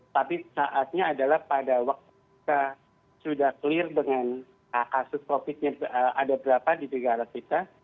tapi saatnya adalah pada waktu kita sudah clear dengan kasus covid nya ada berapa di negara kita